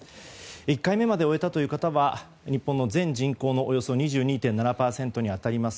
１回目まで終えたという方は日本の全人口のおよそ２２．７％に当たります